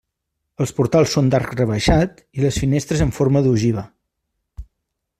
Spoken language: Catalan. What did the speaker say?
Els portals són d'arc rebaixat i les finestres en forma d'ogiva.